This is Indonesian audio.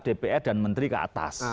dpr dan menteri ke atas